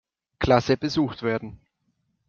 Klasse besucht werden.